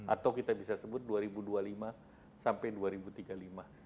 atau kita bisa sebut dua ribu dua puluh lima sampai dua ribu tiga puluh lima